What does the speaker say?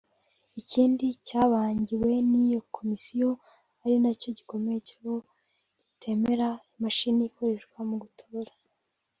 ikindi cy’abangiwe niyo Komisiyo ari nacyo gikomeye cyo kitemera imashini ikoreshwa mu gutora